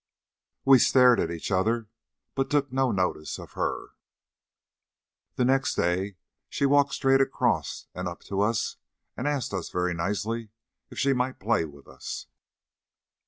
We stared at each other, but took no notice of her. The next day she walked straight across and up to us, and asked us very nicely if she might play with us.